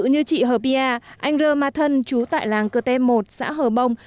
như chị hờ pia anh rơ ma thân chú tại làng cơ tê một xã hờ bông